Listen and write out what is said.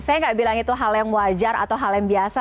saya nggak bilang itu hal yang wajar atau hal yang biasa